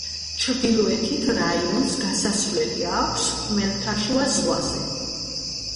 ჩრდილოეთით, რაიონს გასასვლელი აქვს ხმელთაშუა ზღვაზე.